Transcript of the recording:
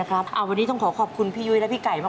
วันนี้ต้องขอขอบคุณพี่ยุ้ยและพี่ไก่มาก